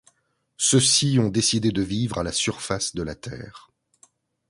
Ceux-ci ont décidé de vivre à la surface de la Terre.